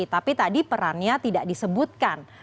tapi tadi perannya tidak disebutkan